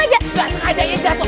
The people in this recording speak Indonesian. enggak sengaja ya jatuh